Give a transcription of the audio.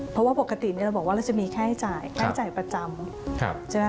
เพราะว่าปกติเราบอกว่าเราจะมีค่าใช้จ่ายค่าใช้จ่ายประจำใช่ไหม